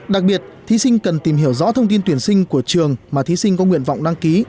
đặc biệt thí sinh cần tìm hiểu rõ thông tin tuyển sinh của trường mà thí sinh có nguyện vọng đăng ký